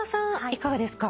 いかがですか？